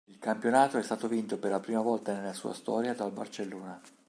Il campionato è stato vinto per la prima volta nella sua storia dal Barcellona.